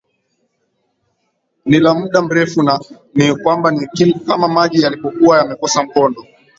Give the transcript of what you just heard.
ni la muda mrefu na ni kwamba ni kama maji yalipokuwa yamekosa mkondo